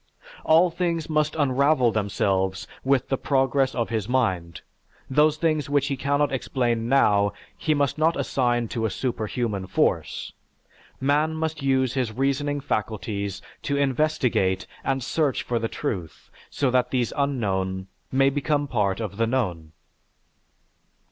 All things must unravel themselves with the progress of his mind, those things that he cannot explain now, he must not assign to a superhuman force; man must use his reasoning faculties to investigate and search for the truth so that these unknown may become part of the known.